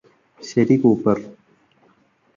ശരി കൂപ്പര്